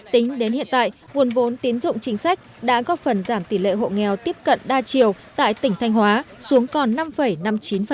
tính đến hiện tại nguồn vốn tín dụng chính sách đã góp phần giảm tỷ lệ hộ nghèo tiếp cận đa chiều tại tỉnh thanh hóa xuống còn năm năm mươi chín